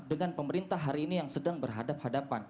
dengan pemerintah hari ini yang sedang berhadap hadapan